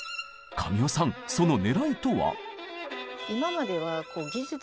神尾さんそのねらいとは？